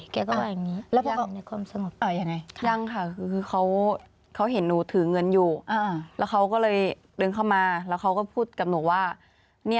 แกก็ว่าอย่างนี้อย่างนี้ในความสมบัติ